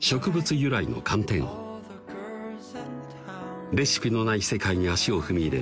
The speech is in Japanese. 由来の寒天をレシピのない世界に足を踏み入れ